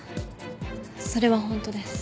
それは本当です。